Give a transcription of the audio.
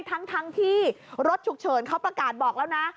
ทั้งที่รถฉุกเฉินเขาประกาศบอกแล้วนะ